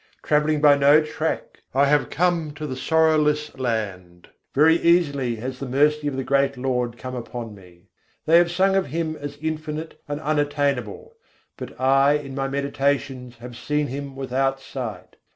Travelling by no track, I have come to the Sorrowless Land: very easily has the mercy of the great Lord come upon me. They have sung of Him as infinite and unattainable: but I in my meditations have seen Him without sight.